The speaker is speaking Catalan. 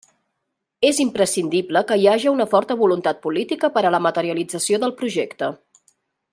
És imprescindible que hi haja una forta voluntat política per a la materialització del projecte.